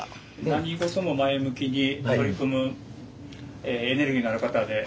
何事も前向きに取り組むエネルギーのある方で。